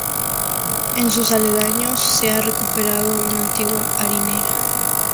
En sus aledaños se ha recuperado una antigua harinera.